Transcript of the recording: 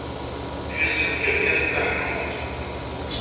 Yessefk ad d-yas Dda Ḥemmu.